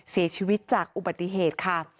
เสียชีวิตจากอุบัติเหตุค่ะ